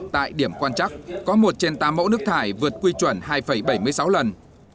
tại điểm quan chắc có một trên tám mẫu nước thải vượt quy chuẩn hai bảy mươi sáu lần